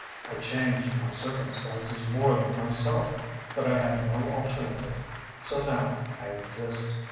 I changed my circumstances more than myself, but I had no alternative. So now I exist.